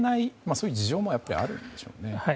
そういう事情もあるんでしょうね。